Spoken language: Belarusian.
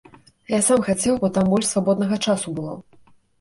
Я сам хацеў, бо там больш свабоднага часу было.